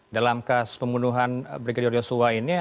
dalam keas pembunuhan brigadier joshua ini